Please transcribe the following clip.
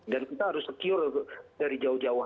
dan kita harus secure dari jauh jauh